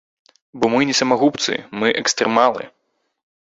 Бо мы не самагубцы, мы экстрэмалы.